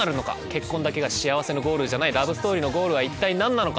結婚だけが幸せのゴールじゃないラブストーリーのゴールは一体何なのか？